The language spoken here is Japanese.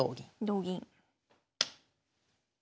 同銀。